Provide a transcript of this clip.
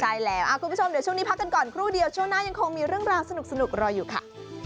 ใช่แล้วคุณผู้ชมเดี๋ยวช่วงนี้พักกันก่อนครู่เดียวช่วงหน้ายังคงมีเรื่องราวสนุกรออยู่ค่ะ